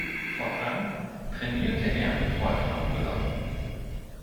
Fortan trainierte er mit Wolfram Müller.